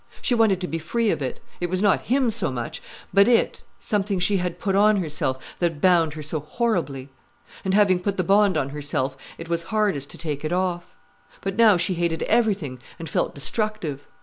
She wanted to be free of it. It was not him so much, but it, something she had put on herself, that bound her so horribly. And having put the bond on herself, it was hardest to take it off. But now she hated everything and felt destructive.